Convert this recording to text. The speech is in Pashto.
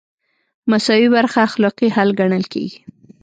مساوي برخه اخلاقي حل ګڼل کیږي.